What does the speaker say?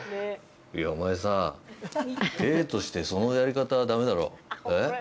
いやお前さ芸としてそのやり方はダメだろうえ？